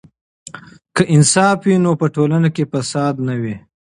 که انصاف وي نو په ټولنه کې فساد نه وي.